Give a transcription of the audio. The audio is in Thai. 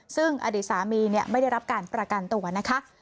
ซึ่งอดีตสามีไม่ได้รับการประกันตัวนะคะ